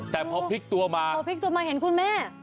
แต่พอพลิกตัวมาพอพลิกตัวมาเห็นคุณแม่